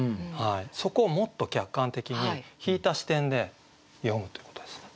そこをもっと客観的に引いた視点で詠むということですね。